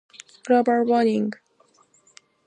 global warming